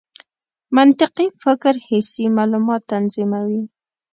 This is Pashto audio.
منطقي فکر حسي معلومات تنظیموي.